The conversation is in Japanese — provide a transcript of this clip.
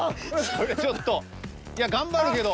これちょっといや頑張るけど。